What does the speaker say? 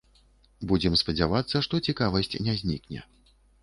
Будзем спадзявацца, што цікавасць не знікне.